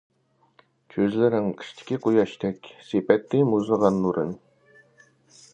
كۆزلىرىڭ قىشتىكى قۇياشتەك، سېپەتتى مۇزلىغان نۇرىنى.